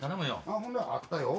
ほんならあったよ。